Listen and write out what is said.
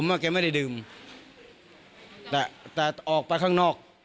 ก็เลยไม่รู้ว่าวันเกิดเหตุคือมีอาการมืนเมาอะไรบ้างหรือเปล่า